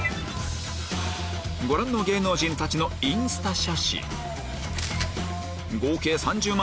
ご覧の芸能人たちのインスタ写真合計３０万